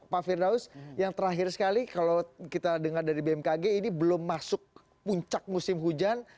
pak firdaus yang terakhir sekali kalau kita dengar dari bmkg ini belum masuk puncak musim hujan